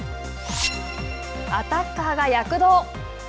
アタッカーが躍動！